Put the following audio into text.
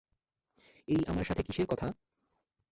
এই, আমার সাথে কিসের কথা?